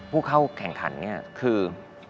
ผู้เข้าแข่งขันเนี่ยคือ